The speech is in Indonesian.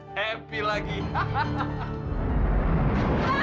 berapa lagi sih ibu